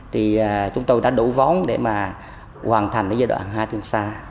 thì chúng tôi đã đủ vốn để mà hoàn thành giai đoạn hai tiêm xa